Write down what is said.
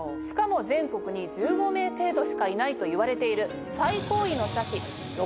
しかも全国に１５名程度しかいないといわれている。